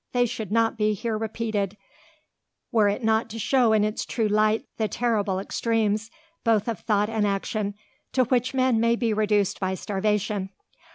They should not be her repeated, were it not to show in its true light the terrible extremes, both of thought and action, to which men may be reduced by starvation.